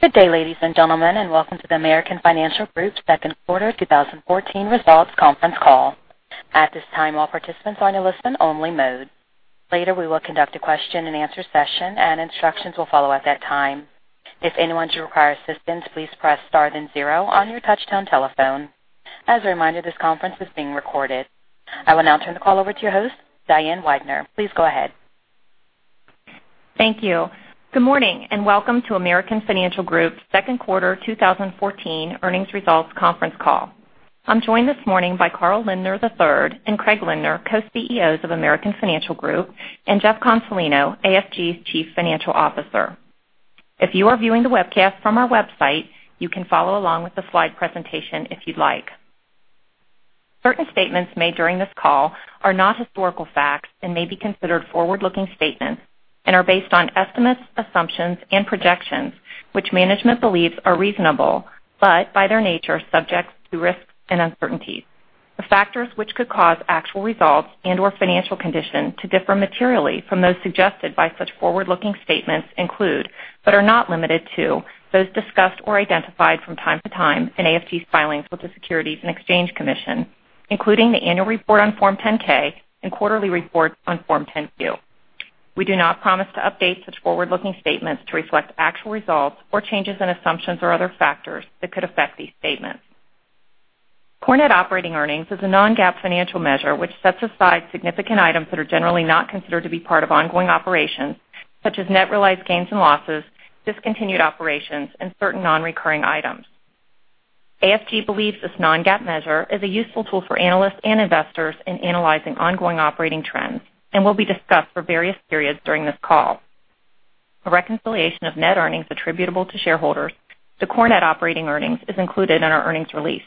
Good day, ladies and gentlemen, and welcome to the American Financial Group second quarter 2014 results conference call. At this time, all participants are in a listen-only mode. Later, we will conduct a question-and-answer session, and instructions will follow at that time. If anyone should require assistance, please press star then zero on your touchtone telephone. As a reminder, this conference is being recorded. I will now turn the call over to your host, Diane Weidner. Please go ahead. Thank you. Good morning and welcome to American Financial Group's second quarter 2014 earnings results conference call. I'm joined this morning by Carl Lindner III and Craig Lindner, co-CEOs of American Financial Group, and Jeff Consolino, AFG's Chief Financial Officer. If you are viewing the webcast from our website, you can follow along with the slide presentation if you'd like. Certain statements made during this call are not historical facts and may be considered forward-looking statements and are based on estimates, assumptions, and projections which management believes are reasonable, but by their nature, are subject to risks and uncertainties. The factors which could cause actual results and/or financial condition to differ materially from those suggested by such forward-looking statements include, but are not limited to, those discussed or identified from time to time in AFG's filings with the Securities and Exchange Commission, including the annual report on Form 10-K and quarterly report on Form 10-Q. We do not promise to update such forward-looking statements to reflect actual results or changes in assumptions or other factors that could affect these statements. Core net operating earnings is a non-GAAP financial measure which sets aside significant items that are generally not considered to be part of ongoing operations, such as net realized gains and losses, discontinued operations, and certain non-recurring items. AFG believes this non-GAAP measure is a useful tool for analysts and investors in analyzing ongoing operating trends and will be discussed for various periods during this call. A reconciliation of net earnings attributable to shareholders to Core net operating earnings is included in our earnings release.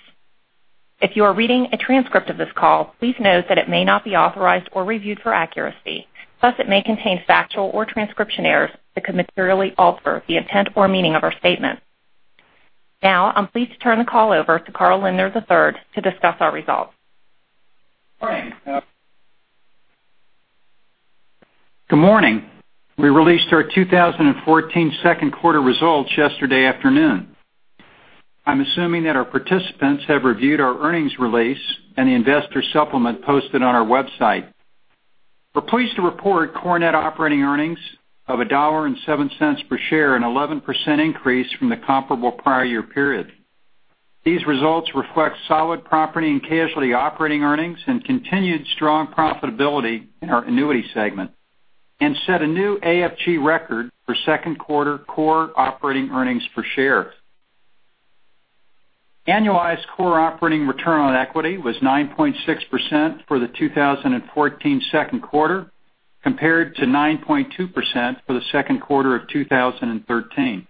If you are reading a transcript of this call, please note that it may not be authorized or reviewed for accuracy. Thus, it may contain factual or transcription errors that could materially alter the intent or meaning of our statement. Now, I'm pleased to turn the call over to Carl Lindner III to discuss our results. Good morning. We released our 2014 second quarter results yesterday afternoon. I'm assuming that our participants have reviewed our earnings release and the investor supplement posted on our website. We're pleased to report core net operating earnings of $1.07 per share, an 11% increase from the comparable prior year period. These results reflect solid property and casualty operating earnings and continued strong profitability in our annuity segment and set a new AFG record for second quarter core operating earnings per share. Annualized core operating return on equity was 9.6% for the 2014 second quarter, compared to 9.2% for the second quarter of 2013.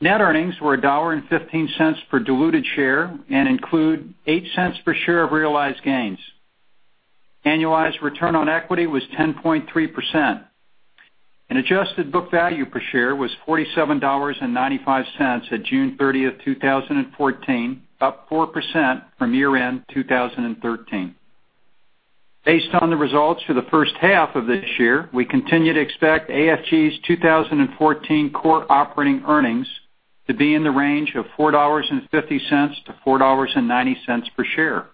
Net earnings were $1.15 per diluted share and include $0.08 per share of realized gains. Annualized return on equity was 10.3%. An adjusted book value per share was $47.95 at June 30th, 2014, up 4% from year-end 2013. Based on the results for the first half of this year, we continue to expect AFG's 2014 core operating earnings to be in the range of $4.50-$4.90 per share.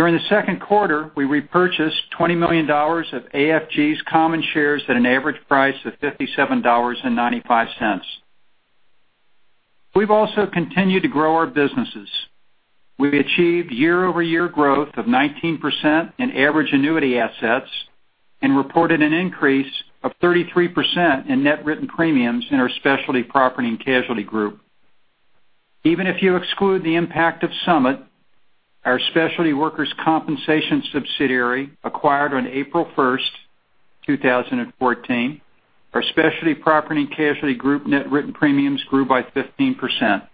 During the second quarter, we repurchased $20 million of AFG's common shares at an average price of $57.95. We've also continued to grow our businesses. We've achieved year-over-year growth of 19% in average annuity assets and reported an increase of 33% in net written premiums in our Specialty Property and Casualty Group. Even if you exclude the impact of Summit, our specialty workers' compensation subsidiary acquired on April 1st, 2014, our Specialty Property and Casualty Group net written premiums grew by 15%.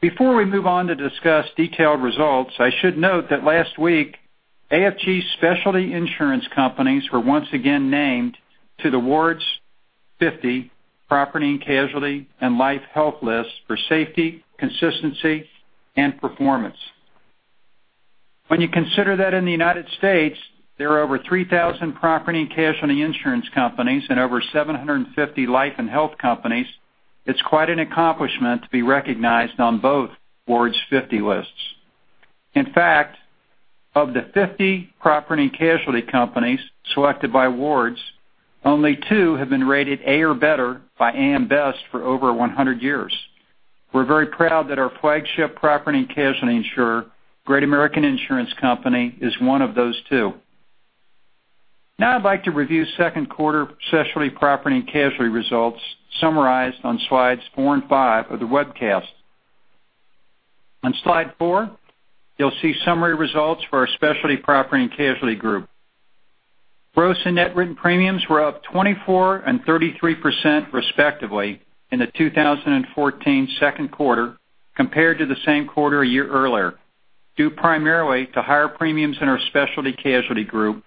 Before we move on to discuss detailed results, I should note that last week, AFG specialty insurance companies were once again named to the Ward's 50 Property and Casualty and Life Health list for safety, consistency, and performance. When you consider that in the U.S., there are over 3,000 property and casualty insurance companies and over 750 life and health companies, it's quite an accomplishment to be recognized on both Ward's 50 lists. In fact, of the 50 property and casualty companies selected by Ward's, only two have been rated A or better by AM Best for over 100 years. We're very proud that our flagship property and casualty insurer, Great American Insurance Company, is one of those two. Now I'd like to review second quarter specialty property and casualty results summarized on slides four and five of the webcast. On slide four, you'll see summary results for our Specialty Property and Casualty Group. Gross and net written premiums were up 24% and 33% respectively in the 2014 second quarter compared to the same quarter a year earlier, due primarily to higher premiums in our Specialty Casualty Group,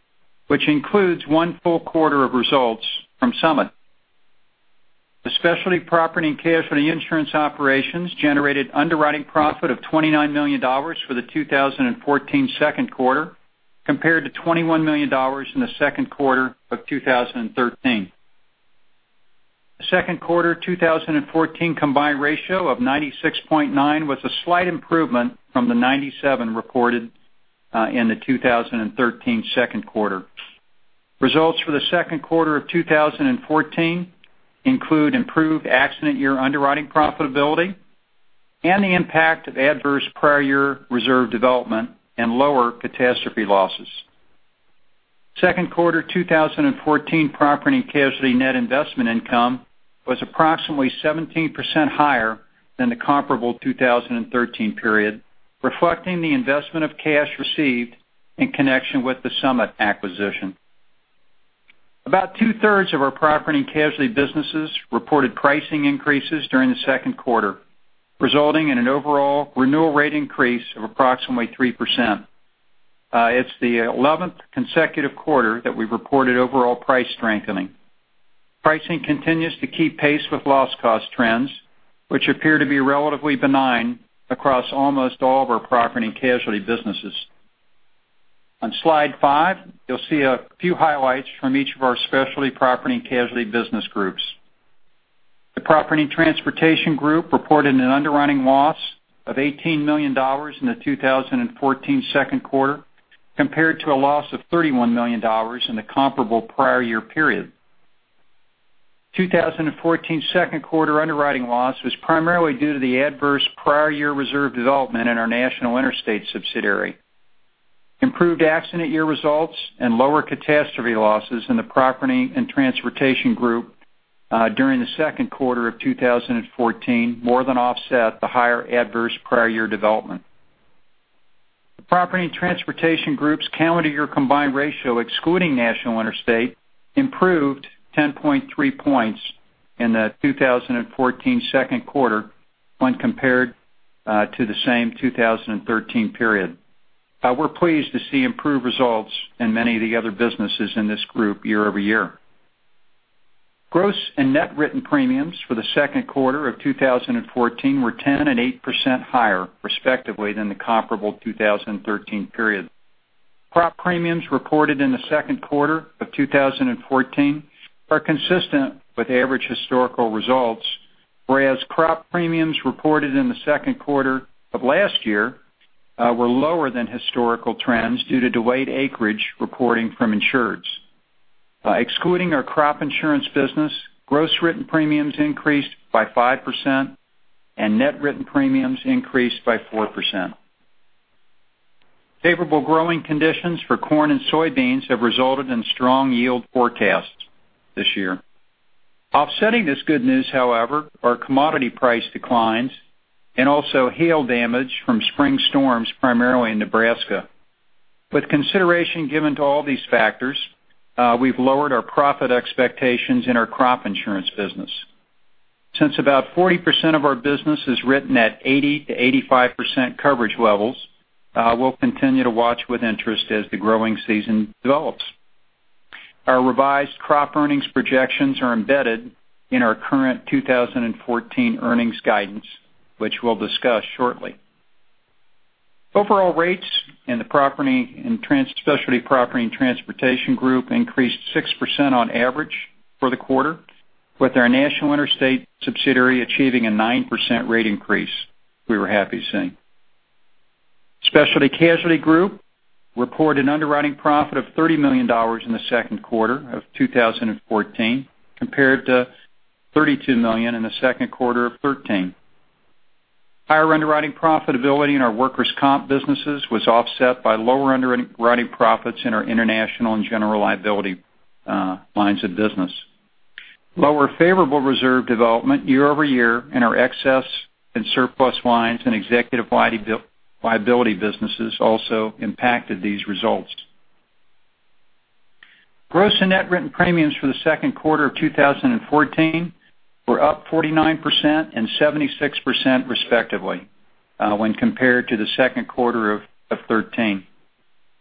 which includes one full quarter of results from Summit. The specialty property and casualty insurance operations generated underwriting profit of $29 million for the 2014 second quarter. Compared to $21 million in the second quarter of 2013. The second quarter 2014 combined ratio of 96.9 was a slight improvement from the 97 reported in the 2013 second quarter. Results for the second quarter of 2014 include improved accident year underwriting profitability, and the impact of adverse prior year reserve development and lower catastrophe losses. Second quarter 2014 Property and Casualty net investment income was approximately 17% higher than the comparable 2013 period, reflecting the investment of cash received in connection with the Summit acquisition. About two-thirds of our Property and Casualty businesses reported pricing increases during the second quarter, resulting in an overall renewal rate increase of approximately 3%. It's the 11th consecutive quarter that we've reported overall price strengthening. Pricing continues to keep pace with loss cost trends, which appear to be relatively benign across almost all of our Property and Casualty businesses. On slide five, you'll see a few highlights from each of our specialty property and casualty business groups. The Property and Transportation Group reported an underwriting loss of $18 million in the 2014 second quarter, compared to a loss of $31 million in the comparable prior year period. 2014 second quarter underwriting loss was primarily due to the adverse prior year reserve development in our National Interstate subsidiary. Improved accident year results and lower catastrophe losses in the Property and Transportation Group during the second quarter of 2014, more than offset the higher adverse prior year development. The Property and Transportation Group's calendar year combined ratio, excluding National Interstate, improved 10.3 points in the 2014 second quarter when compared to the same 2013 period. We're pleased to see improved results in many of the other businesses in this group year-over-year. Gross and net written premiums for the second quarter of 2014 were 10% and 8% higher, respectively, than the comparable 2013 period. Crop premiums reported in the second quarter of 2014 are consistent with average historical results, whereas crop premiums reported in the second quarter of last year were lower than historical trends due to delayed acreage reporting from insurers. Excluding our crop insurance business, gross written premiums increased by 5% and net written premiums increased by 4%. Favorable growing conditions for corn and soybeans have resulted in strong yield forecasts this year. Offsetting this good news, however, are commodity price declines and also hail damage from spring storms, primarily in Nebraska. With consideration given to all these factors, we've lowered our profit expectations in our crop insurance business. Since about 40% of our business is written at 80%-85% coverage levels, we'll continue to watch with interest as the growing season develops. Our revised crop earnings projections are embedded in our current 2014 earnings guidance, which we'll discuss shortly. Overall rates in the Specialty Property and Transportation Group increased 6% on average for the quarter, with our National Interstate subsidiary achieving a 9% rate increase we were happy seeing. Specialty Casualty Group reported underwriting profit of $30 million in the second quarter of 2014, compared to $32 million in the second quarter of 2013. Higher underwriting profitability in our workers' comp businesses was offset by lower underwriting profits in our international and general liability lines of business. Lower favorable reserve development year-over-year in our excess and surplus lines and executive liability businesses also impacted these results. Gross and net written premiums for the second quarter of 2014 were up 49% and 76% respectively when compared to the second quarter of 2013.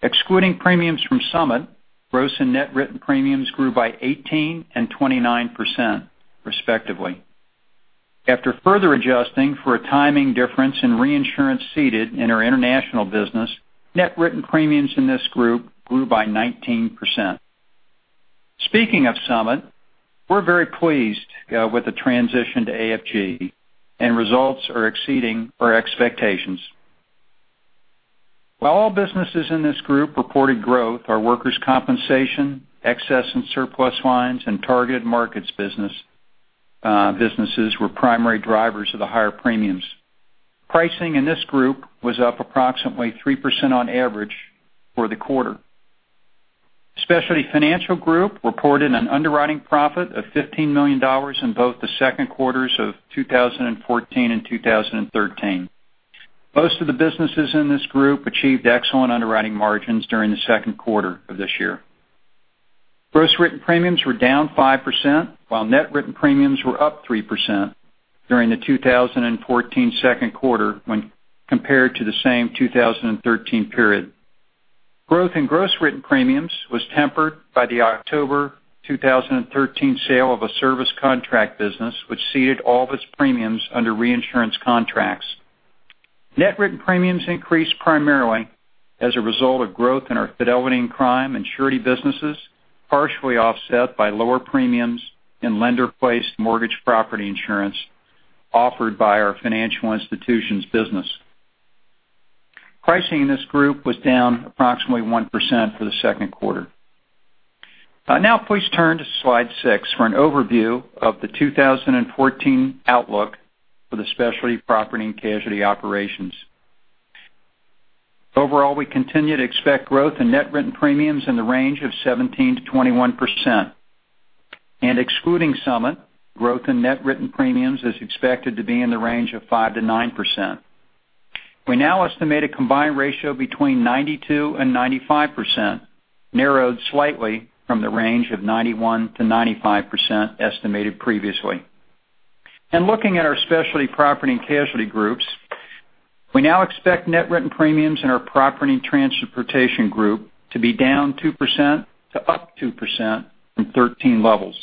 Excluding premiums from Summit, gross and net written premiums grew by 18% and 29% respectively. After further adjusting for a timing difference in reinsurance ceded in our international business, net written premiums in this group grew by 19%. Speaking of Summit, we are very pleased with the transition to AFG and results are exceeding our expectations. While all businesses in this group reported growth, our workers' compensation, excess and surplus lines, and targeted markets businesses were primary drivers of the higher premiums. Pricing in this group was up approximately 3% on average for the quarter. Specialty Financial Group reported an underwriting profit of $15 million in both the second quarters of 2014 and 2013. Most of the businesses in this group achieved excellent underwriting margins during the second quarter of this year. Gross written premiums were down 5%, while net written premiums were up 3% during the 2014 second quarter when compared to the same 2013 period. Growth in gross written premiums was tempered by the October 2013 sale of a service contract business, which ceded all of its premiums under reinsurance contracts. Net written premiums increased primarily as a result of growth in our fidelity and crime and surety businesses, partially offset by lower premiums in lender-placed mortgage property insurance offered by our financial institutions business. Pricing in this group was down approximately 1% for the second quarter. I will now please turn to slide six for an overview of the 2014 outlook for the Specialty Property and Casualty operations. Overall, we continue to expect growth in net written premiums in the range of 17%-21%. Excluding Summit, growth in net written premiums is expected to be in the range of 5%-9%. We now estimate a combined ratio between 92% and 95%, narrowed slightly from the range of 91%-95% estimated previously. In looking at our Specialty Property and Casualty groups, we now expect net written premiums in our Property and Transportation group to be down 2% to up 2% from 2013 levels,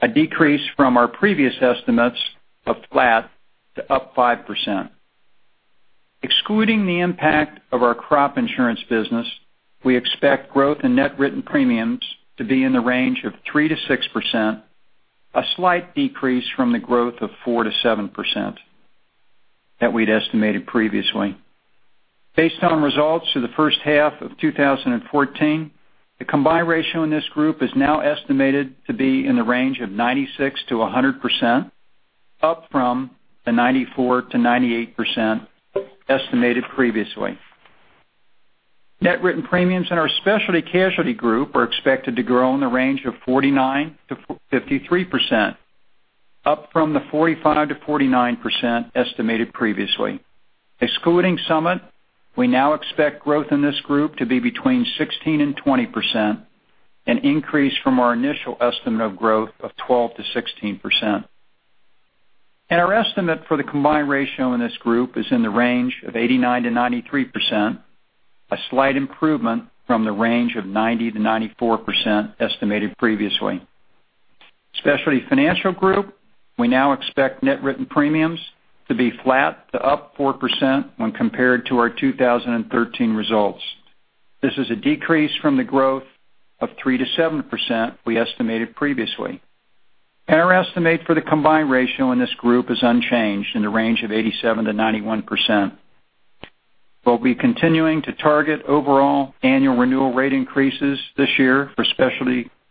a decrease from our previous estimates of flat to up 5%. Excluding the impact of our crop insurance business, we expect growth in net written premiums to be in the range of 3%-6%, a slight decrease from the growth of 4%-7% that we had estimated previously. Based on results for the first half of 2014, the combined ratio in this group is now estimated to be in the range of 96%-100%, up from the 94%-98% estimated previously. Net written premiums in our Specialty Casualty Group are expected to grow in the range of 49%-53%, up from the 45%-49% estimated previously. Excluding Summit, we now expect growth in this group to be between 16% and 20%, an increase from our initial estimate of growth of 12%-16%. Our estimate for the combined ratio in this group is in the range of 89%-93%, a slight improvement from the range of 90%-94% estimated previously. Specialty Financial Group, we now expect net written premiums to be flat to up 4% when compared to our 2013 results. This is a decrease from the growth of 3%-7% we estimated previously. Our estimate for the combined ratio in this group is unchanged in the range of 87%-91%. We will be continuing to target overall annual renewal rate increases this year for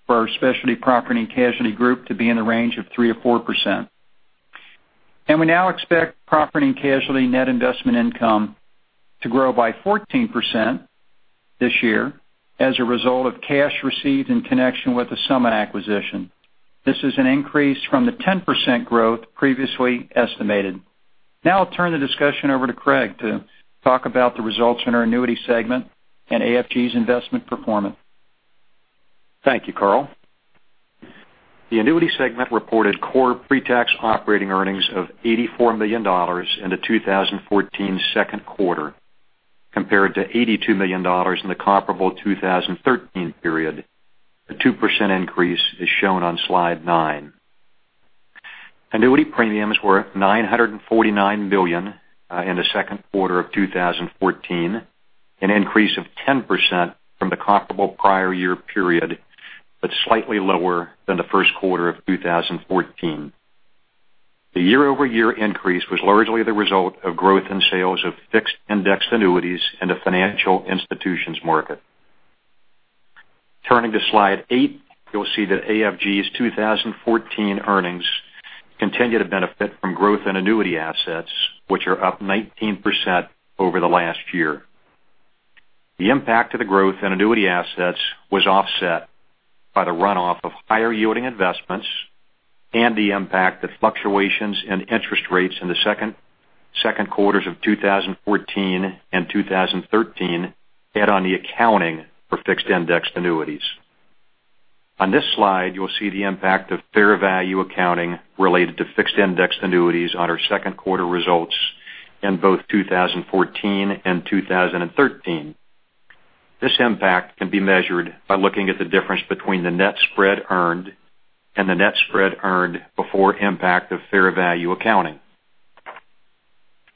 our Specialty Property and Casualty Group to be in the range of 3% or 4%. We now expect Property and Casualty net investment income to grow by 14% this year as a result of cash received in connection with the Summit acquisition. This is an increase from the 10% growth previously estimated. Now I'll turn the discussion over to Craig to talk about the results in our Annuity segment and AFG's investment performance. Thank you, Carl. The Annuity segment reported core pre-tax operating earnings of $84 million in the 2014 second quarter, compared to $82 million in the comparable 2013 period. A 2% increase is shown on slide nine. Annuity premiums were $949 million in the second quarter of 2014, an increase of 10% from the comparable prior year period, but slightly lower than the first quarter of 2014. The year-over-year increase was largely the result of growth in sales of fixed indexed annuities in the financial institutions market. Turning to slide eight, you'll see that AFG's 2014 earnings continue to benefit from growth in annuity assets, which are up 19% over the last year. The impact of the growth in annuity assets was offset by the runoff of higher yielding investments and the impact of fluctuations in interest rates in the second quarters of 2014 and 2013 had on the accounting for fixed indexed annuities. On this slide, you'll see the impact of fair value accounting related to fixed indexed annuities on our second quarter results in both 2014 and 2013. This impact can be measured by looking at the difference between the net spread earned and the net spread earned before impact of fair value accounting.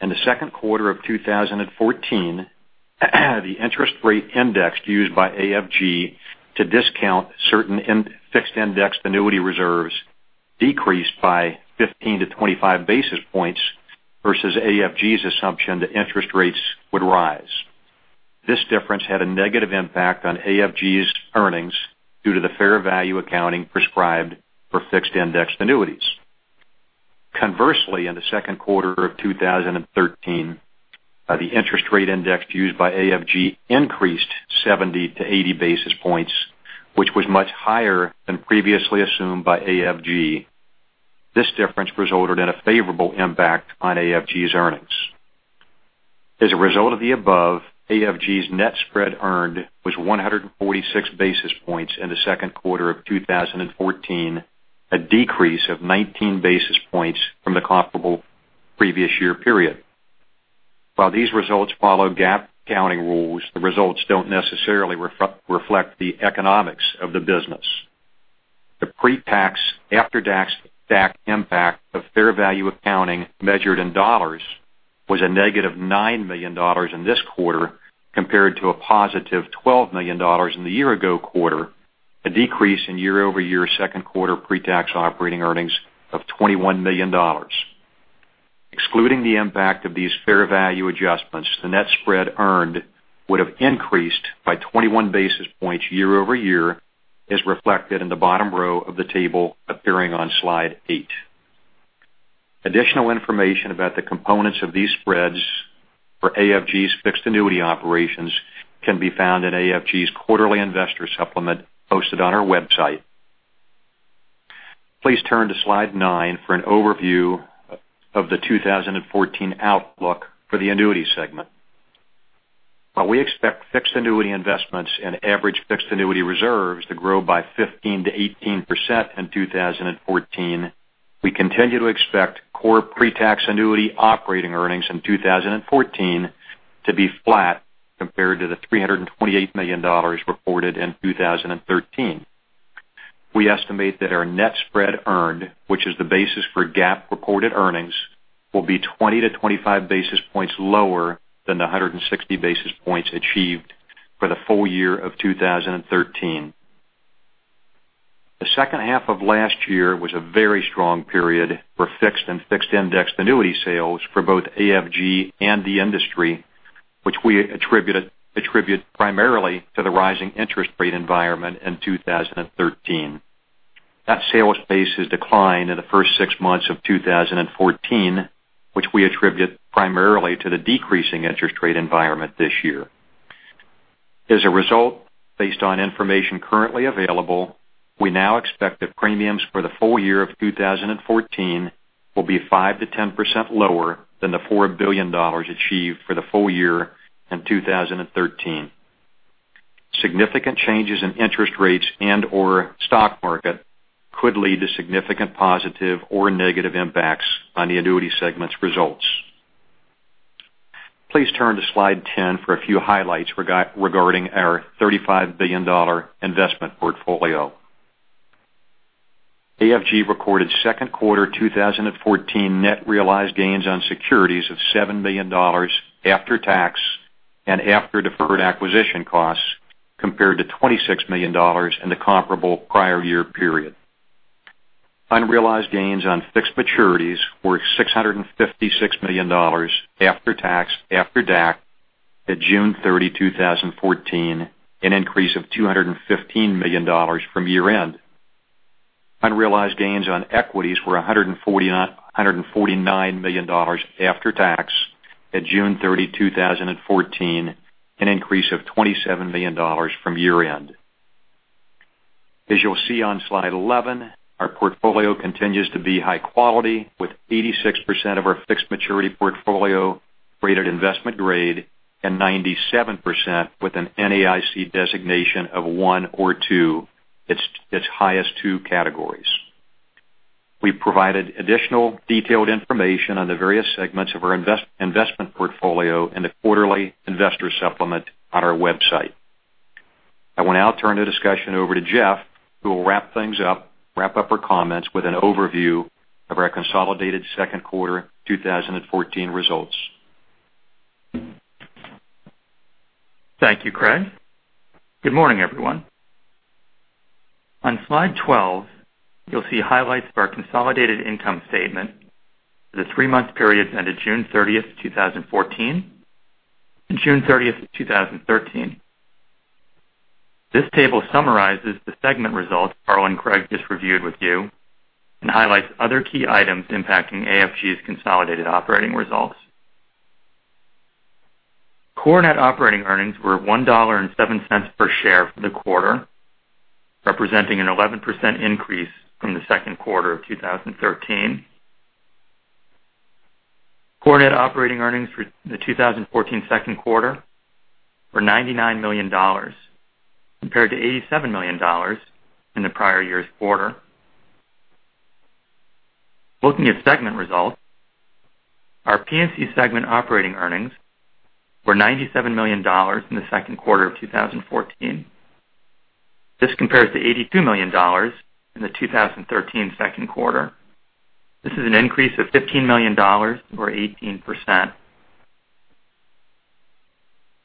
In the second quarter of 2014, the interest rate indexed used by AFG to discount certain in fixed indexed annuity reserves decreased by 15 to 25 basis points versus AFG's assumption that interest rates would rise. This difference had a negative impact on AFG's earnings due to the fair value accounting prescribed for fixed indexed annuities. Conversely, in the second quarter of 2013, the interest rate indexed used by AFG increased 70 to 80 basis points, which was much higher than previously assumed by AFG. This difference resulted in a favorable impact on AFG's earnings. As a result of the above, AFG's net spread earned was 146 basis points in the second quarter of 2014, a decrease of 19 basis points from the comparable previous year period. While these results follow GAAP accounting rules, the results don't necessarily reflect the economics of the business. Pre-tax after DAC impact of fair value accounting measured in dollars was a negative $9 million in this quarter compared to a positive $12 million in the year-ago quarter, a decrease in year-over-year second quarter pre-tax operating earnings of $21 million. Excluding the impact of these fair value adjustments, the net spread earned would have increased by 21 basis points year-over-year, as reflected in the bottom row of the table appearing on slide eight. Additional information about the components of these spreads for AFG's fixed annuity operations can be found in AFG's quarterly investor supplement posted on our website. Please turn to slide nine for an overview of the 2014 outlook for the annuity segment. While we expect fixed annuity investments and average fixed annuity reserves to grow by 15%-18% in 2014, we continue to expect core pre-tax annuity operating earnings in 2014 to be flat compared to the $328 million reported in 2013. We estimate that our net spread earned, which is the basis for GAAP reported earnings, will be 20 to 25 basis points lower than the 160 basis points achieved for the full year of 2013. The second half of last year was a very strong period for fixed and fixed-indexed annuity sales for both AFG and the industry, which we attribute primarily to the rising interest rate environment in 2013. That sales pace has declined in the first six months of 2014, which we attribute primarily to the decreasing interest rate environment this year. As a result, based on information currently available, we now expect that premiums for the full year of 2014 will be 5%-10% lower than the $4 billion achieved for the full year in 2013. Significant changes in interest rates and/or stock market could lead to significant positive or negative impacts on the annuity segment's results. Please turn to slide 10 for a few highlights regarding our $35 billion investment portfolio. AFG recorded second quarter 2014 net realized gains on securities of $7 million after tax and after deferred acquisition costs, compared to $26 million in the comparable prior year period. Unrealized gains on fixed maturities were $656 million after tax, after DAC, at June 30, 2014, an increase of $215 million from year-end. Unrealized gains on equities were $149 million after tax at June 30, 2014, an increase of $27 million from year-end. As you'll see on slide 11, our portfolio continues to be high quality, with 86% of our fixed maturity portfolio rated investment-grade and 97% with an NAIC designation of one or two, its highest two categories. We provided additional detailed information on the various segments of our investment portfolio in the quarterly investor supplement on our website. I will now turn the discussion over to Jeff, who will wrap up our comments with an overview of our consolidated second quarter 2014 results. Thank you, Craig. Good morning, everyone. On slide 12, you'll see highlights of our consolidated income statement for the three-month period ended June 30th, 2014, and June 30th, 2013. This table summarizes the segment results Carl and Craig just reviewed with you and highlights other key items impacting AFG's consolidated operating results. Core net operating earnings were $1.07 per share for the quarter, representing an 11% increase from the second quarter of 2013. Core net operating earnings for the 2014 second quarter were $99 million compared to $87 million in the prior year's quarter. Looking at segment results, our P&C segment operating earnings were $97 million in the second quarter of 2014. This compares to $82 million in the 2013 second quarter. This is an increase of $15 million or 18%.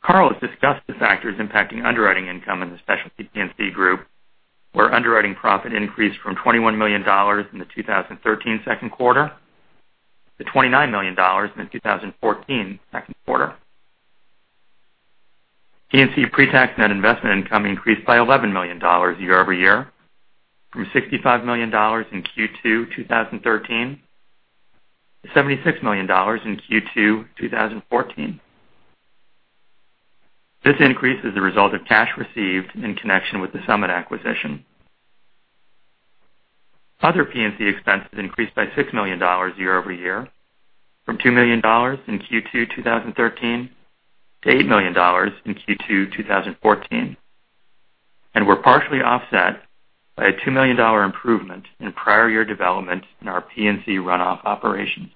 Carl has discussed the factors impacting underwriting income in the Specialty P&C group, where underwriting profit increased from $21 million in the 2013 second quarter to $29 million in the 2014 second quarter. P&C pre-tax net investment income increased by $11 million year-over-year from $65 million in Q2 2013 to $76 million in Q2 2014. This increase is a result of cash received in connection with the Summit acquisition. Other P&C expenses increased by $6 million year-over-year from $2 million in Q2 2013 to $8 million in Q2 2014, and were partially offset by a $2 million improvement in prior year development in our P&C runoff operations.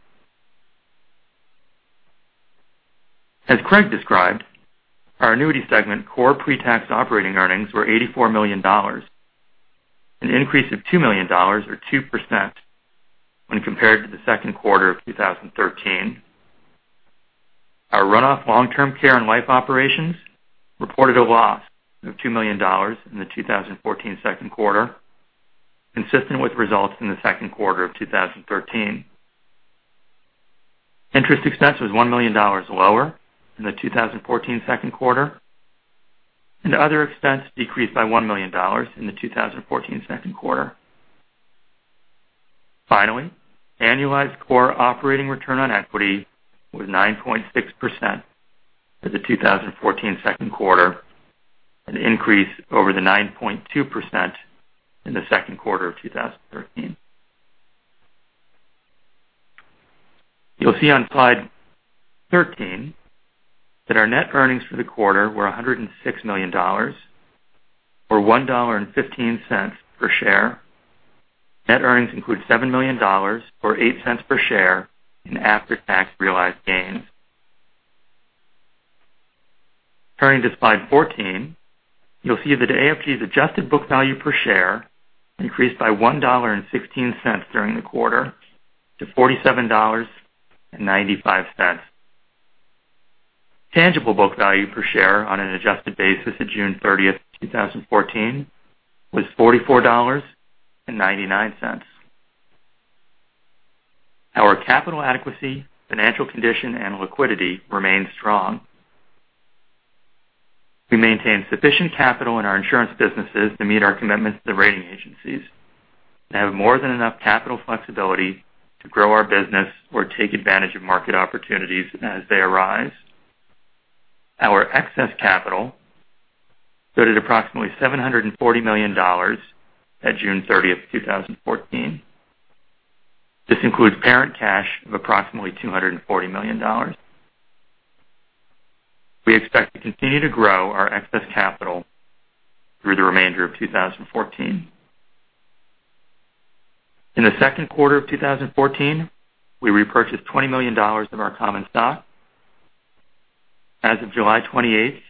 As Craig described, our annuity segment core pre-tax operating earnings were $84 million, an increase of $2 million or 2% when compared to the second quarter of 2013. Our run-off long-term care and life operations reported a loss of $2 million in the 2014 second quarter, consistent with results in the second quarter of 2013. Interest expense was $1 million lower in the 2014 second quarter, and other expense decreased by $1 million in the 2014 second quarter. Finally, annualized core operating return on equity was 9.6% for the 2014 second quarter, an increase over the 9.2% in the second quarter of 2013. You'll see on slide 13 that our net earnings for the quarter were $106 million, or $1.15 per share. Net earnings include $7 million or $0.08 per share in after-tax realized gains. Turning to slide 14, you'll see that AFG's adjusted book value per share increased by $1.16 during the quarter to $47.95. Tangible book value per share on an adjusted basis of June 30th, 2014 was $44.99. Our capital adequacy, financial condition, and liquidity remain strong. We maintain sufficient capital in our insurance businesses to meet our commitments to the rating agencies and have more than enough capital flexibility to grow our business or take advantage of market opportunities as they arise. Our excess capital stood at approximately $740 million at June 30th, 2014. This includes parent cash of approximately $240 million. We expect to continue to grow our excess capital through the remainder of 2014. In the second quarter of 2014, we repurchased $20 million of our common stock. As of July 28th,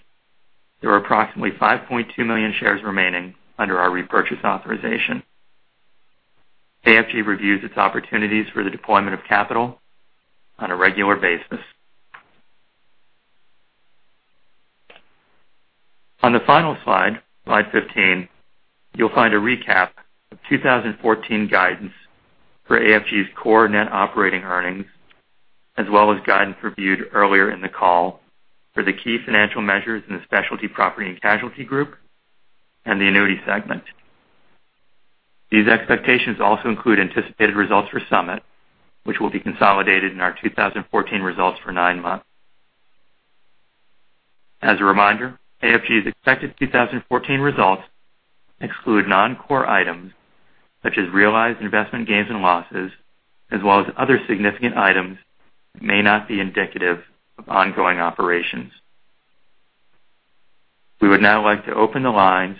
there were approximately 5.2 million shares remaining under our repurchase authorization. AFG reviews its opportunities for the deployment of capital on a regular basis. On the final slide 15, you'll find a recap of 2014 guidance for AFG's core net operating earnings, as well as guidance reviewed earlier in the call for the key financial measures in the Specialty Property and Casualty Group and the Annuity segment. These expectations also include anticipated results for Summit, which will be consolidated in our 2014 results for nine months. As a reminder, AFG's expected 2014 results exclude non-core items such as realized investment gains and losses, as well as other significant items that may not be indicative of ongoing operations. We would now like to open the lines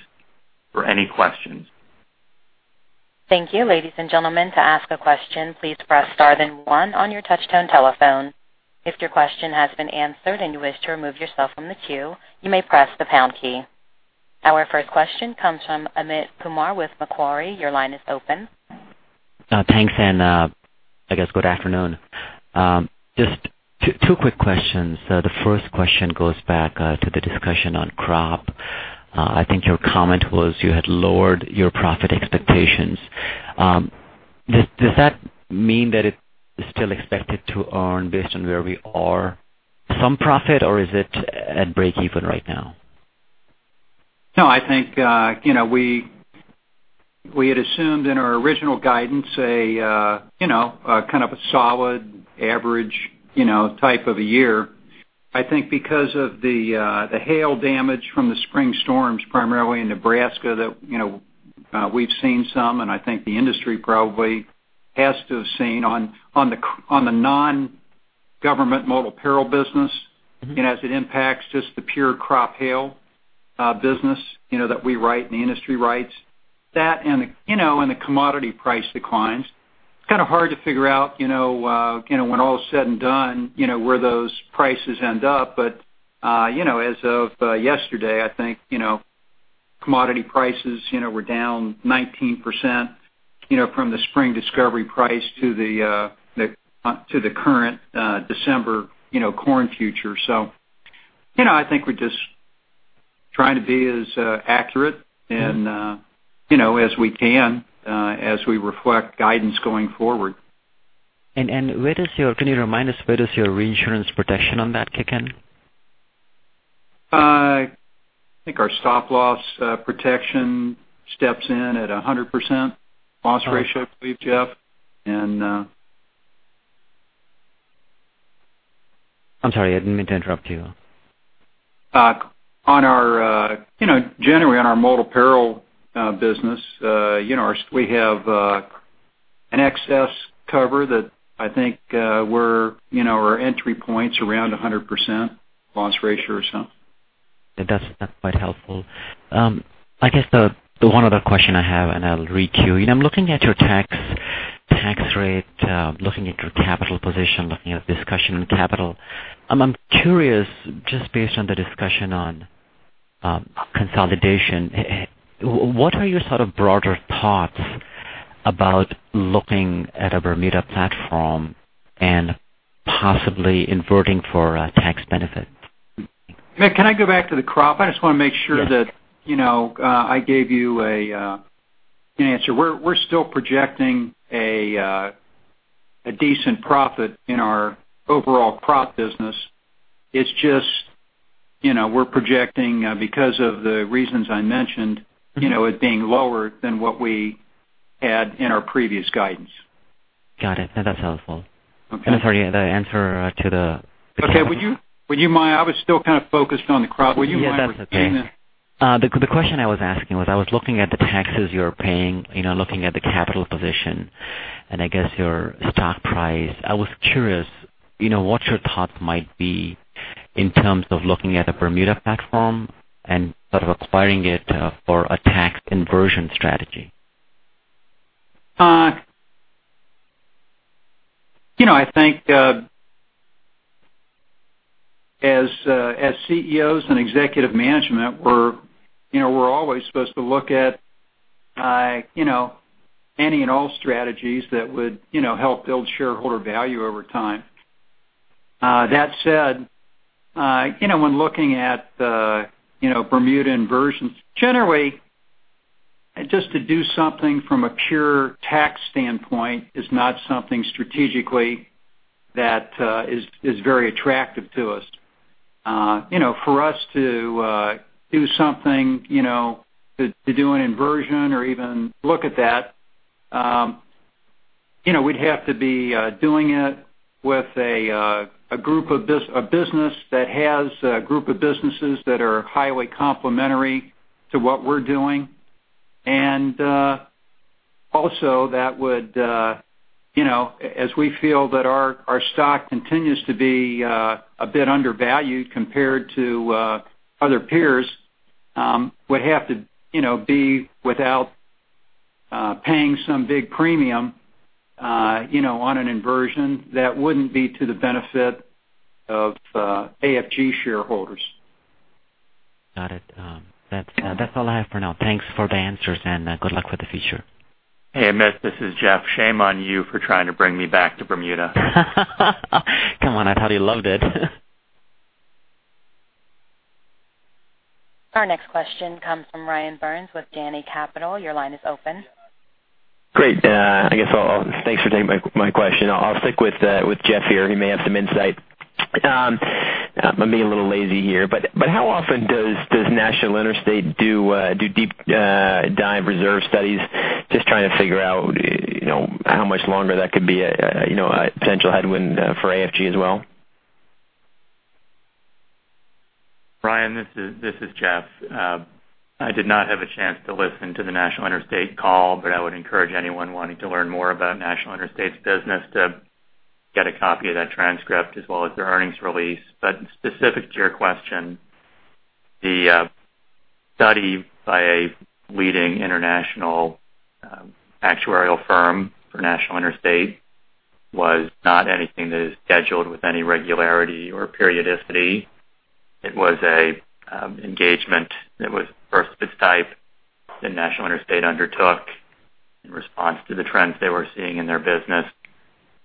for any questions. Thank you, ladies and gentlemen. To ask a question, please press star then one on your touch-tone telephone. If your question has been answered and you wish to remove yourself from the queue, you may press the pound key. Our first question comes from Amit Kumar with Macquarie. Your line is open. Thanks, good afternoon. Just two quick questions. The first question goes back to the discussion on crop. I think your comment was you had lowered your profit expectations. Does that mean that it is still expected to earn based on where we are some profit, or is it at breakeven right now? No, I think we had assumed in our original guidance a kind of a solid average type of a year. I think because of the hail damage from the spring storms, primarily in Nebraska, that we've seen some, and I think the industry probably has to have seen on the non-government multi-peril business, and as it impacts just the pure crop hail business that we write and the industry writes. That and the commodity price declines. It's kind of hard to figure out when all is said and done where those prices end up. As of yesterday, I think commodity prices were down 19% from the spring discovery price to the current December corn future. I think we're just trying to be as accurate as we can as we reflect guidance going forward. Can you remind us where does your reinsurance protection on that kick in? I think our stop-loss protection steps in at 100% loss ratio, I believe, Jeff. I'm sorry. I didn't mean to interrupt you. Generally, on our multi-peril business, we have an excess cover that I think our entry point's around 100% loss ratio or so. That's quite helpful. I guess the one other question I have, and I'll re-queue. I'm looking at your tax rate, looking at your capital position, looking at discussion capital. I'm curious, just based on the discussion on consolidation, what are your sort of broader thoughts about looking at a Bermuda platform and possibly inverting for a tax benefit? Amit, can I go back to the crop? Yes I gave you an answer. We're still projecting a decent profit in our overall crop business. it being lower than what we had in our previous guidance. Got it. That's helpful. Okay. Sorry, the answer to the- Okay. Would you mind. I was still kind of focused on the crop. Would you mind repeating the- Yes, that's okay. The question I was asking was I was looking at the taxes you're paying, looking at the capital position, and I guess your stock price. I was curious what your thought might be in terms of looking at a Bermuda platform and sort of acquiring it for a tax inversion strategy? I think, as CEOs and executive management, we're always supposed to look at any and all strategies that would help build shareholder value over time. That said, when looking at the Bermuda inversions, generally, just to do something from a pure tax standpoint is not something strategically that is very attractive to us. For us to do something, to do an inversion or even look at that, we'd have to be doing it with a business that has a group of businesses that are highly complementary to what we're doing. Also, as we feel that our stock continues to be a bit undervalued compared to other peers, would have to be without paying some big premium on an inversion that wouldn't be to the benefit of AFG shareholders. Got it. That's all I have for now. Thanks for the answers, and good luck for the future. Hey, Amit, this is Jeff. Shame on you for trying to bring me back to Bermuda. Come on, I thought you loved it. Our next question comes from Ryan Burns with Janney Capital. Your line is open. Great. Thanks for taking my question. I'll stick with Jeff here, who may have some insight. I'm being a little lazy here, how often does National Interstate do deep dive reserve studies? Just trying to figure out how much longer that could be a potential headwind for AFG as well. Ryan, this is Jeff. I did not have a chance to listen to the National Interstate call, I would encourage anyone wanting to learn more about National Interstate's business to get a copy of that transcript as well as their earnings release. Specific to your question, the study by a leading international actuarial firm for National Interstate was not anything that is scheduled with any regularity or periodicity. It was an engagement that was the first of its type that National Interstate undertook in response to the trends they were seeing in their business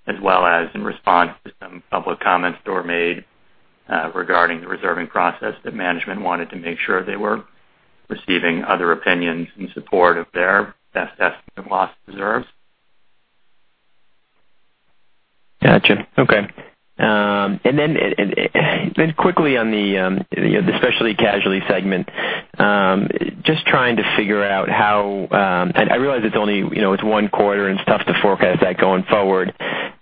as well as in response to some public comments that were made regarding the reserving process that management wanted to make sure they were receiving other opinions in support of their best estimate of loss reserves. Got you. Okay. Quickly on the Specialty Casualty segment, just trying to figure out how, and I realize it's one quarter and it's tough to forecast that going forward,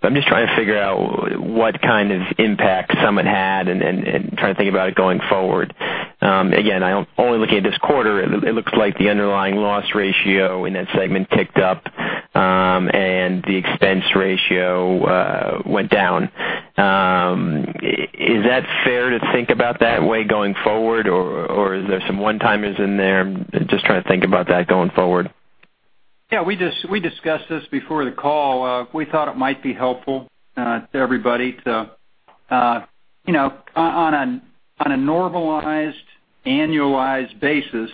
I'm just trying to figure out what kind of impact Summit had and trying to think about it going forward. Again, only looking at this quarter, it looks like the underlying loss ratio in that segment ticked up, and the expense ratio went down. Is that fair to think about that way going forward, or is there some one-timers in there? I'm just trying to think about that going forward. Yeah. We discussed this before the call. We thought it might be helpful to everybody to, on a normalized, annualized basis,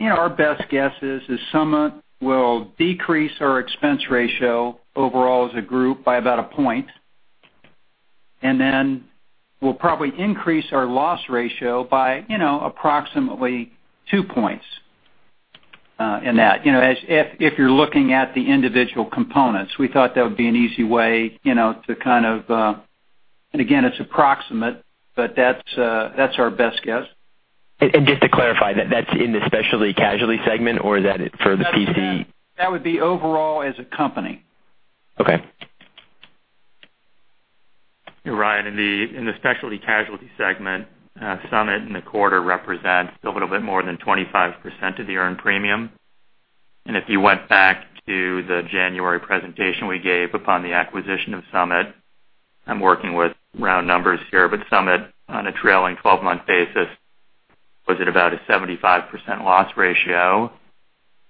our best guess is Summit will decrease our expense ratio overall as a group by about a point. We'll probably increase our loss ratio by approximately two points in that. If you're looking at the individual components, we thought that would be an easy way to kind of, and again, it's approximate, but that's our best guess. Just to clarify, that's in the Specialty Casualty segment, or is that for the P&C? That would be overall as a company. Okay. Ryan, in the Specialty Casualty segment, Summit in the quarter represents a little bit more than 25% of the earned premium. If you went back to the January presentation we gave upon the acquisition of Summit, I'm working with round numbers here, but Summit on a trailing 12-month basis, was at about a 75% loss ratio,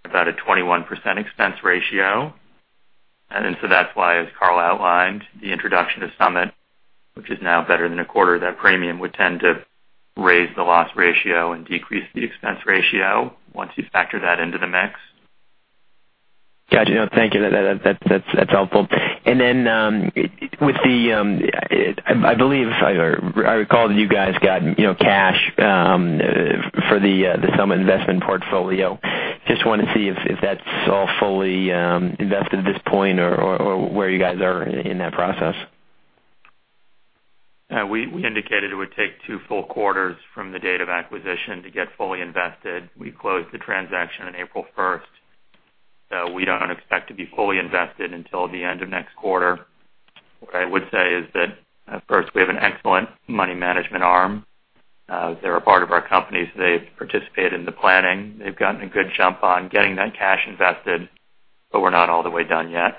about a 21% expense ratio. That's why, as Carl outlined, the introduction to Summit, which is now better than a quarter, that premium would tend to raise the loss ratio and decrease the expense ratio once you factor that into the mix. Got you. Thank you. That's helpful. I believe I recall you guys got cash for the Summit investment portfolio. Just wanted to see if that's all fully invested at this point or where you guys are in that process. We indicated it would take two full quarters from the date of acquisition to get fully invested. We closed the transaction on April 1st. We don't expect to be fully invested until the end of next quarter. What I would say is that, first, we have an excellent money management arm. They're a part of our company, so they participate in the planning. They've gotten a good jump on getting that cash invested, but we're not all the way done yet.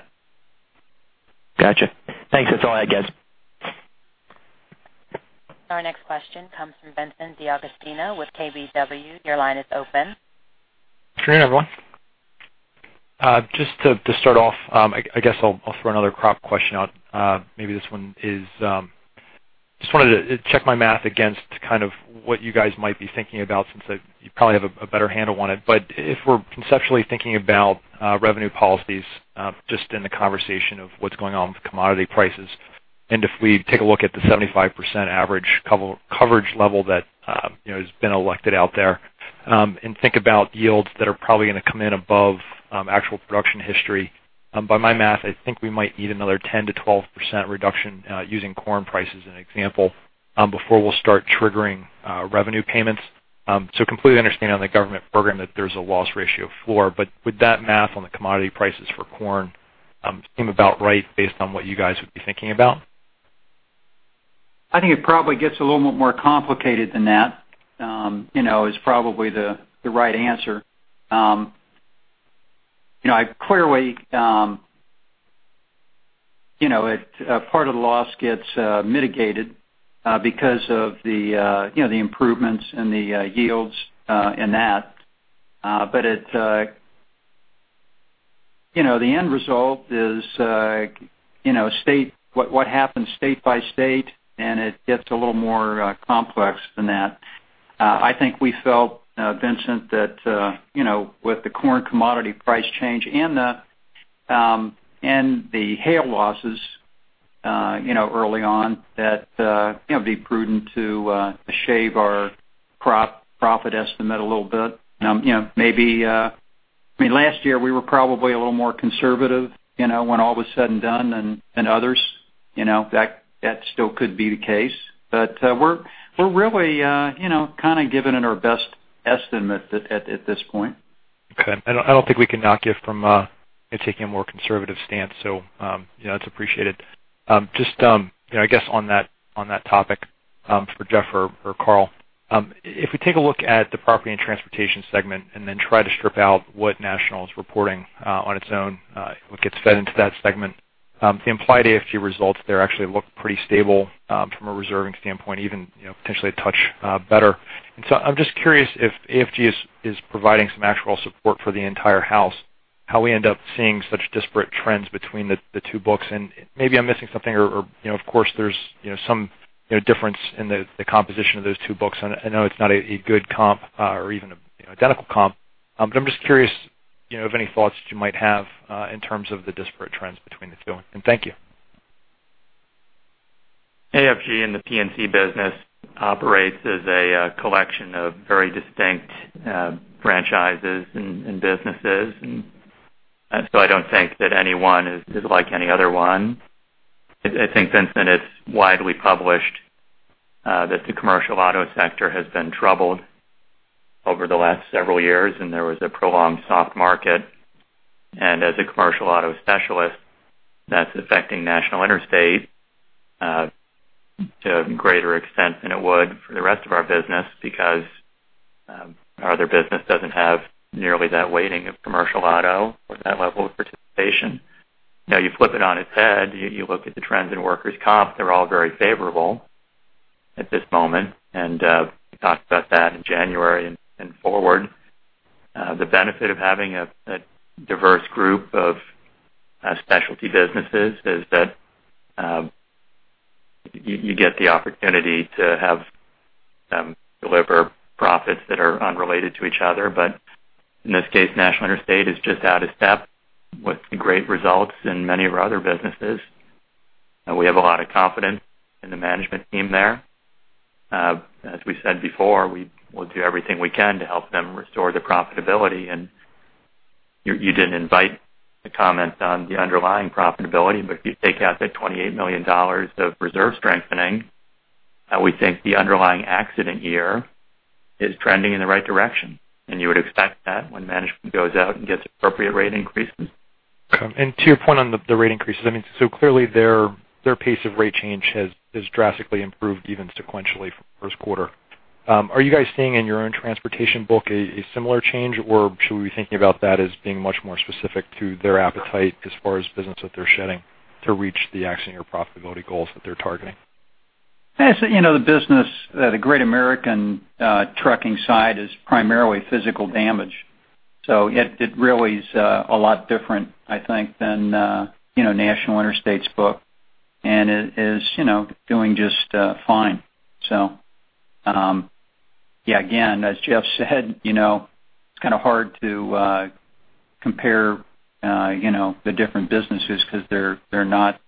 Got you. Thanks. That's all I had, guys. Our next question comes from Vincent D'Agostino with KBW. Your line is open. Good afternoon, everyone. Just to start off, I guess I'll throw another crop question out. Just wanted to check my math against kind of what you guys might be thinking about since you probably have a better handle on it. If we're conceptually thinking about revenue policies, just in the conversation of what's going on with commodity prices, and if we take a look at the 75% average coverage level that has been elected out there, and think about yields that are probably going to come in above actual production history, by my math, I think we might need another 10%-12% reduction, using corn prices as an example, before we'll start triggering revenue payments. Completely understand on the government program that there's a loss ratio floor. Would that math on the commodity prices for corn seem about right based on what you guys would be thinking about? I think it probably gets a little bit more complicated than that, is probably the right answer. Clearly, part of the loss gets mitigated because of the improvements in the yields in that. The end result is what happens state by state, and it gets a little more complex than that. I think we felt, Vincent, that with the corn commodity price change and the hail losses early on, that it'd be prudent to shave our crop profit estimate a little bit. Last year we were probably a little more conservative, when all was said and done, than others. That still could be the case, but we're really kind of giving it our best estimate at this point. Okay. I don't think we can knock you from taking a more conservative stance, so that's appreciated. Just, I guess on that topic, for Jeff or Carl, if we take a look at the Property and Transportation segment and then try to strip out what National is reporting on its own, what gets fed into that segment, the implied AFG results there actually look pretty stable from a reserving standpoint, even potentially a touch better. I'm just curious if AFG is providing some actuarial support for the entire house, how we end up seeing such disparate trends between the two books. Maybe I'm missing something or, of course, there's some difference in the composition of those two books. I know it's not a good comp or even an identical comp. I'm just curious if you have any thoughts that you might have in terms of the disparate trends between the two. Thank you. AFG in the P&C business operates as a collection of very distinct franchises and businesses. I don't think that any one is like any other one. I think, Vincent, it's widely published that the commercial auto sector has been troubled over the last several years and there was a prolonged soft market. As a commercial auto specialist, that's affecting National Interstate to a greater extent than it would for the rest of our business because our other business doesn't have nearly that weighting of commercial auto or that level of participation. Now you flip it on its head, you look at the trends in workers' comp, they're all very favorable at this moment, and we talked about that in January and forward. The benefit of having a diverse group of specialty businesses is that you get the opportunity to have them deliver profits that are unrelated to each other. In this case, National Interstate is just out of step with the great results in many of our other businesses. We have a lot of confidence in the management team there. As we said before, we'll do everything we can to help them restore the profitability. You didn't invite a comment on the underlying profitability, but if you take out the $28 million of reserve strengthening, I would think the underlying accident year is trending in the right direction. You would expect that when management goes out and gets appropriate rate increases. Okay. To your point on the rate increases, clearly their pace of rate change has drastically improved even sequentially from first quarter. Are you guys seeing in your own transportation book a similar change, or should we be thinking about that as being much more specific to their appetite as far as business that they're shedding to reach the axing or profitability goals that they're targeting? The business, the Great American trucking side is primarily physical damage. It really is a lot different, I think, than National Interstate's book. It is doing just fine. Yeah, again, as Jeff said, it's kind of hard to compare the different businesses because they're not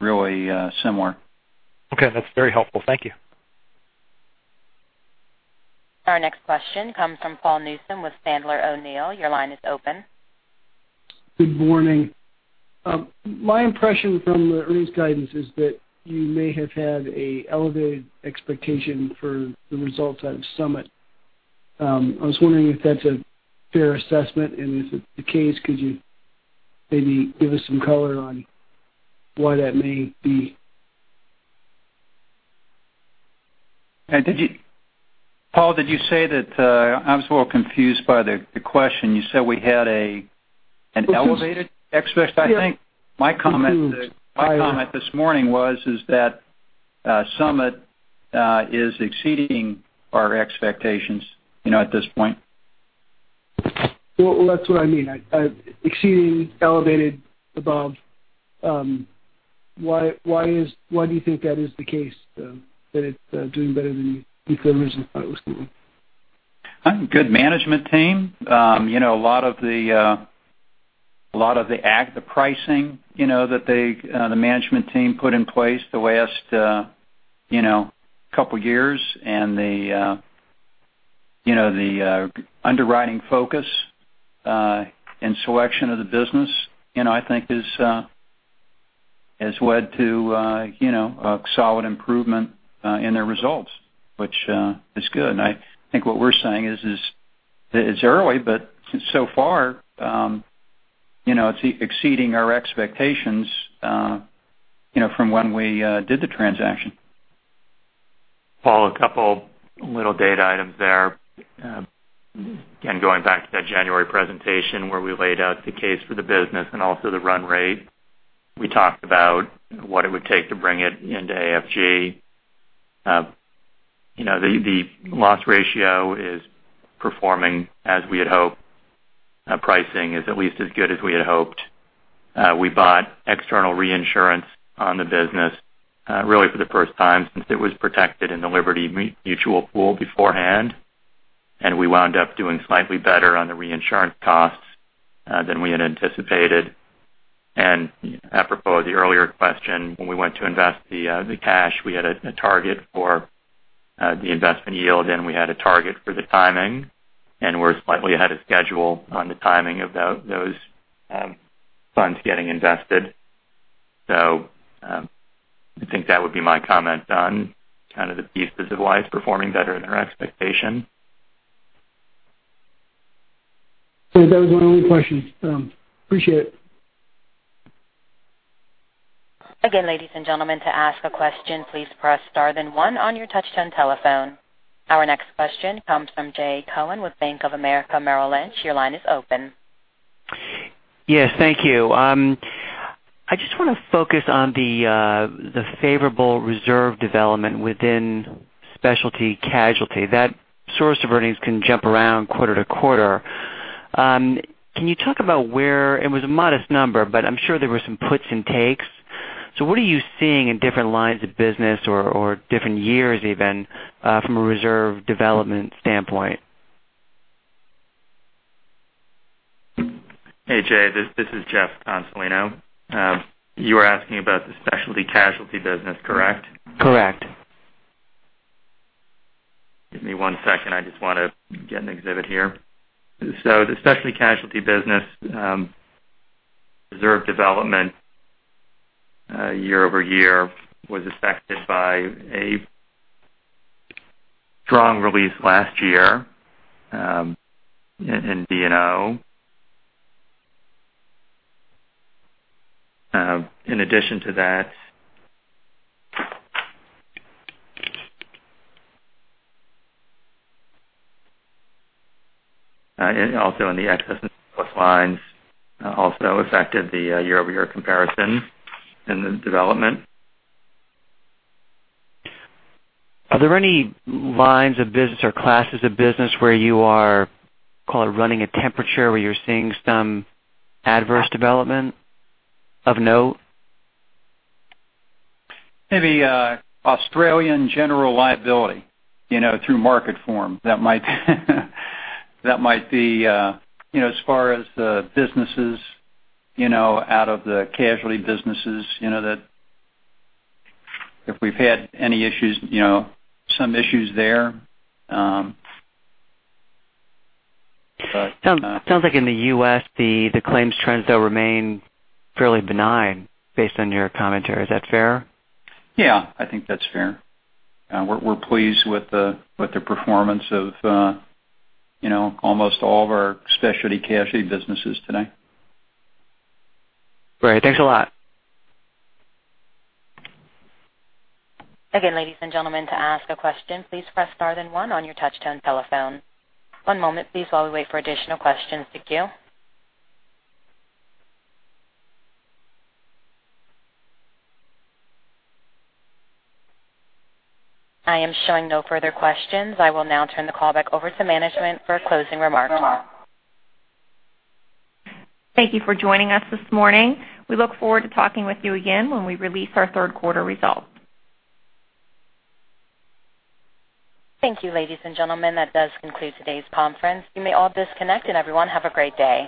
really similar. Okay. That's very helpful. Thank you. Our next question comes from Paul Newsome with Sandler O'Neill. Your line is open. Good morning. My impression from the earnings guidance is that you may have had an elevated expectation for the results out of Summit. I was wondering if that's a fair assessment, and if it's the case, could you maybe give us some color on why that may be? Paul, did you say that, I was a little confused by the question. You said we had an elevated expectation? I think my comment this morning was, is that Summit is exceeding our expectations at this point. Well, that's what I mean. Exceeding, elevated, above. Why do you think that is the case, though, that it's doing better than you originally thought it was going to? Good management team. A lot of the pricing that the management team put in place the last couple years and the underwriting focus and selection of the business, I think has led to a solid improvement in their results, which is good. I think what we're saying is, it's early, but so far, it's exceeding our expectations from when we did the transaction. Paul, a couple little data items there. Again, going back to that January presentation where we laid out the case for the business and also the run rate. We talked about what it would take to bring it into AFG. The loss ratio is performing as we had hoped. Pricing is at least as good as we had hoped. We bought external reinsurance on the business really for the first time since it was protected in the Liberty Mutual pool beforehand, and we wound up doing slightly better on the reinsurance costs than we had anticipated. Apropos the earlier question, when we went to invest the cash, we had a target for the investment yield, and we had a target for the timing, and we're slightly ahead of schedule on the timing of those funds getting invested. I think that would be my comment on kind of the pieces of why it's performing better than our expectation. Okay. That was my only question. Appreciate it. Again, ladies and gentlemen, to ask a question, please press star then one on your touch-tone telephone. Our next question comes from Jay Cohen with Bank of America Merrill Lynch. Your line is open. Thank you. I just want to focus on the favorable reserve development within Specialty Casualty. That source of earnings can jump around quarter-to-quarter. Can you talk about where, it was a modest number, but I'm sure there were some puts and takes. What are you seeing in different lines of business or different years even from a reserve development standpoint? Hey, Jay, this is Jeff Consolino. You were asking about the specialty casualty business, correct? Correct. Give me one second. I just want to get an exhibit here. The specialty casualty business reserve development year-over-year was affected by a strong release last year in D&O. In addition to that, also in the excess and surplus lines also affected the year-over-year comparison in the development. Are there any lines of business or classes of business where you are, call it running a temperature, where you're seeing some adverse development of note? Maybe Australian general liability through Marketform. That might be as far as the businesses out of the casualty businesses, if we've had any issues, some issues there. Sounds like in the U.S. the claims trends, though, remain fairly benign based on your commentary. Is that fair? Yeah, I think that's fair. We're pleased with the performance of almost all of our specialty casualty businesses today. Great. Thanks a lot. Again, ladies and gentlemen, to ask a question, please press star then one on your touch-tone telephone. One moment, please, while we wait for additional questions to queue. I am showing no further questions. I will now turn the call back over to management for closing remarks. Thank you for joining us this morning. We look forward to talking with you again when we release our third quarter results. Thank you, ladies and gentlemen. That does conclude today's conference. You may all disconnect. Everyone have a great day.